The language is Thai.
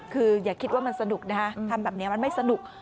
คืออย่าคิดว่ามันสนุกนะฮะทำแบบนี้มันไม่สนุก